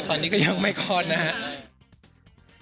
ตอนนี้ก็ยังไม่คลอดนะครับ